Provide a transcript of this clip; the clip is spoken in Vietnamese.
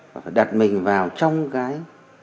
và phải đặt mình vào trong cái